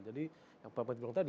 jadi yang pak mati bilang tadi